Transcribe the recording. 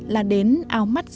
là đến áo mắt rồng